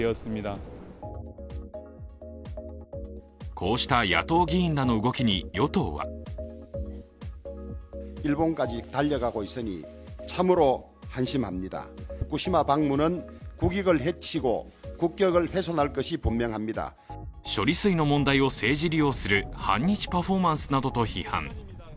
こうした野党議員らの動きに与党は処理水の問題を政治利用する反日パフォーマンスなどと批判。